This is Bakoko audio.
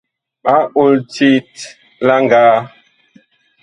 Ɓa ol tit la ngaa.